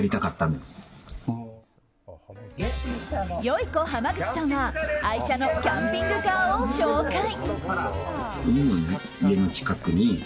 よゐこ濱口さんは愛車のキャンピングカーを紹介。